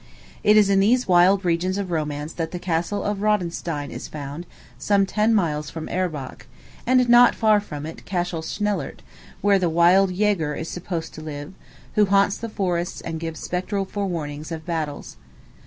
It is in these wild regions of romance that the Castle of Rodenstein is found, some ten miles from Erbach; and not far from it Castle Schnellert, where the wild Jager is supposed to live, who haunts the forests and gives spectral forewarnings of battles.